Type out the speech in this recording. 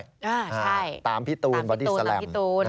ใช่ตามพี่ตูนบอดี้สแลม